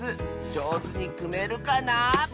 じょうずにくめるかな？